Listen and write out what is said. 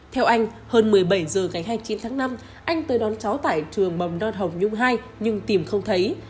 theo anh hơn một mươi bảy h ngày hai mươi chín tháng năm anh tới đón cháu tại trường mầm non hồng nhung hai nhưng tìm không thấy